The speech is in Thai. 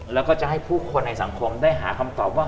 แล้วก็จะให้ผู้คนในสังคมได้หาคำตอบว่า